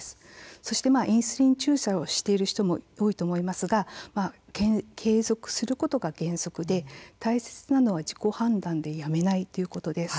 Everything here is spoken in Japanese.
そしてインスリン注射をしている人も多いと思いますが継続することが原則で大切なのは自己判断でやめないということです。